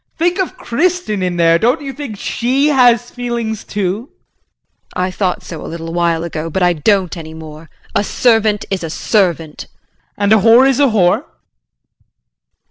Think of Kristin in there, don't you think she has feelings too? JULIE. I thought so a little while ago, but I don't any more. A servant is a servant. JEAN. And a whore is a whore.